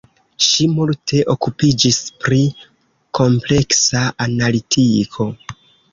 Ŝi multe okupiĝis pri kompleksa analitiko.